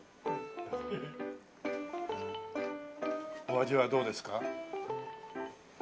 お味はどうですか？